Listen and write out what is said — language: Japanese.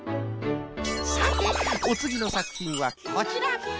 さておつぎのさくひんはこちら。